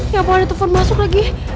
ya ampun ada telepon masuk lagi